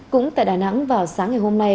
cũng tại đà nẵng vào sáng ngày hôm nay